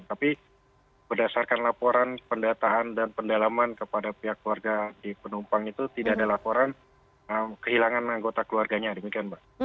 tapi berdasarkan laporan pendataan dan pendalaman kepada pihak keluarga di penumpang itu tidak ada laporan kehilangan anggota keluarganya demikian mbak